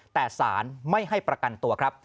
แต่สารไม่ให้ประกันตัวครับ